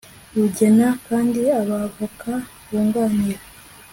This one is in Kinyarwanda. rugena kandi abavoka bunganira